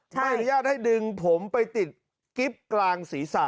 ไม่อนุญาตให้ดึงผมไปติดกิ๊บกลางศีรษะ